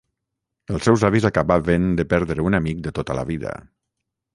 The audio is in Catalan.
Els seus avis acabaven de perdre un amic de tota la vida.